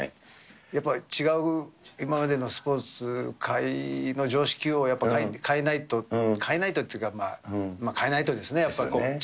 やっぱり違う今までのスポーツ界の常識を、やっぱり変えないと、変えないというか、変えないとですね、やっぱりね。